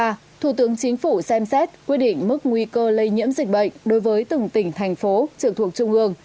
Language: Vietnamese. h thủ tướng chính phủ xem xét quy định mức nguy cơ lây nhiễm dịch bệnh đối với từng tỉnh thành phố trực thuộc trung ương